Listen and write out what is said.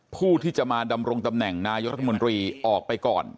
ผู้ที่จะมาดำรงตำแหน่งนายรัฐมนตรีออกไปก่อน